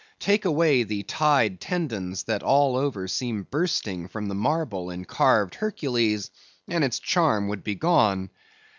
Take away the tied tendons that all over seem bursting from the marble in the carved Hercules, and its charm would be gone.